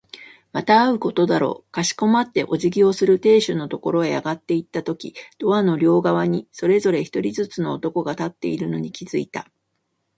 また会うことだろう。かしこまってお辞儀をする亭主のところへ上がっていったとき、ドアの両側にそれぞれ一人ずつの男が立っているのに気づいた。